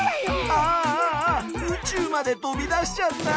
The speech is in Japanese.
ああ宇宙まで飛び出しちゃった！